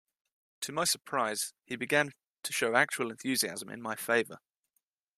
To my surprise he began to show actual enthusiasm in my favor.